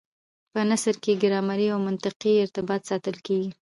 په نثر کي ګرامري او منطقي ارتباط ساتل کېږي.